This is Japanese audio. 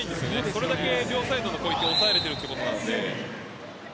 それだけ両サイドのポイントを抑えられているということなので。